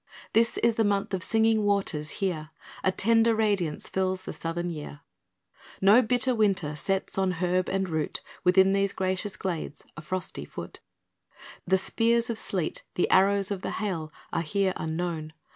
This is the month of singing waters here A tender radiance fills the Southern year; No bitter winter sets on herb and root, Within these gracious glades, a frosty foot; The spears of sleet, the arrows of the hail, Are here unknown.